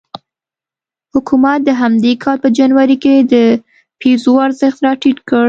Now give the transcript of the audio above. حکومت د همدې کال په جنوري کې د پیزو ارزښت راټیټ کړ.